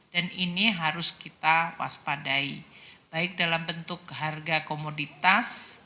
dan ini harus kita waspadai baik dalam bentuk harga komoditas